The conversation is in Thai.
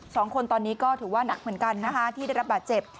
สองคนตอนนี้ก็ถือว่านักเหมือนกันนะคะที่ได้รับบาดเจ็บ